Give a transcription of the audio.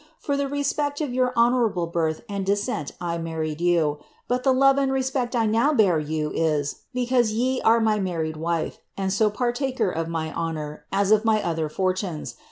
For the respect of ]rour honourable birth and descent I married you ; but the love and respect I now be«r you, is, because ye are my married wife, and so partaker of my honour as of my other fortunes.